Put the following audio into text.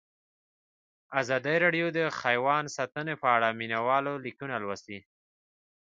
ازادي راډیو د حیوان ساتنه په اړه د مینه والو لیکونه لوستي.